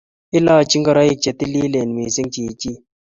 Ilochi ingoroik che tililen missing' chichin